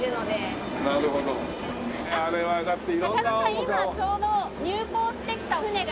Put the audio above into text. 今ちょうど入港してきた船が。